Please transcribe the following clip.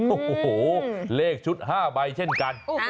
โอ้โหเลขชุด๕ใบเช่นกัน